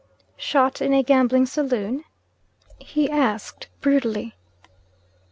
'Shot in a gambling saloon?' he asked brutally.